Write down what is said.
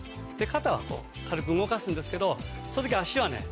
肩はこう軽く動かすんですけどその時足はね